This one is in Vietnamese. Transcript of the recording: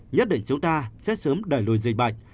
nhất định chúng ta sẽ sớm đẩy lùi dịch bệnh